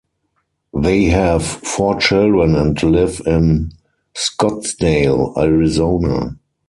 They have four children and live in Scottsdale, Arizona.